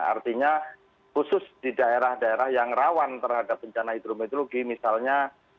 artinya khusus di daerah daerah yang rawan terhadap bencana hidrometeorologi misalnya